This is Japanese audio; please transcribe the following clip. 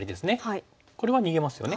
これは逃げますよね。